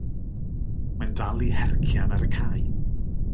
Mae'n dal i hercian ar y cae.